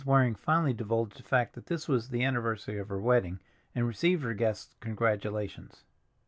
Waring finally divulged the fact that this was the anniversary of her wedding, and received her guest's congratulations.